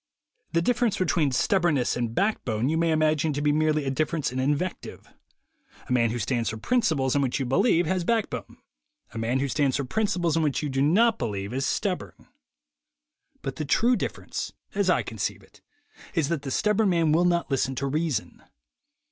The difference between stubbornness and back bone you may imagine to be merely a difference in invective. A man who stands for principles in which you believe, has backbone ; a man who stands for principles in which you do not believe, is stubborn. But the true difference, as I conceive it, is that the stubborn man will not listen to reason.